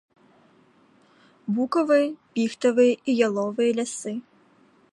Букавыя, піхтавыя і яловыя лясы.